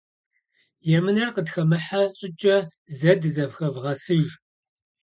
Емынэр къытхэмыхьэ щӏыкӏэ зэ дызэхэвгъэсыж.